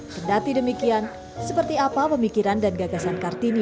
kendati demikian seperti apa pemikiran dan gagasan kartini